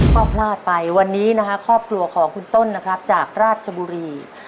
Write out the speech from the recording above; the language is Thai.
ก็พลาดไปวันนี้นะฮะครอบครัวของคุณต้นนะครับจากราชบุรี